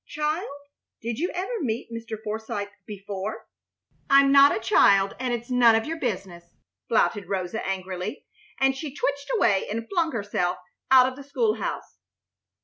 Child, did you ever meet Mr. Forsythe before?" "I'm not a child, and it's none of your business!" flouted Rosa, angrily, and she twitched away and flung herself out of the school house.